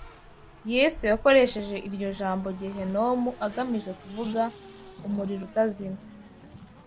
Yesu yakoreshaga iryo jambo Gehinomu agamije kuvuga umuriro utazima